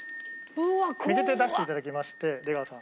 右手出していただきまして出川さん。